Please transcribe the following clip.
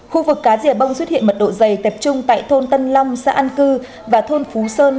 khu vực cá rìa bông xuất hiện mật độ dày tập trung tại thôn tân long xã an cư và thôn phú sơn